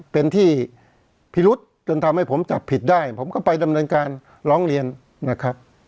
เป็นที่พิรุษจนทำให้ผมจับผิดได้ผมก็ไปดำเนินการร้องเรียนนะครับ